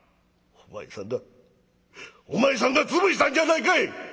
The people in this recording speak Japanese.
お前さんがお前さんが潰したんじゃないかい！